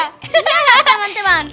iya lah teman teman